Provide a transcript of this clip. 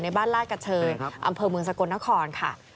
บ้านลาดกระเชยอำเภอเมืองสกลนครค่ะ